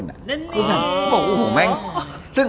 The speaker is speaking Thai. นั้นเนี่ย